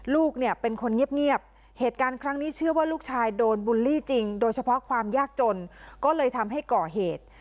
ลูกเนี่ยเป็นคนเงียบเหตุการณ์ครั้งนี้เชื่อว่าลูกชายโดนบูลลี่จริงโดยเฉพาะความยากจนก็เลยทำให้ก่อเหตุ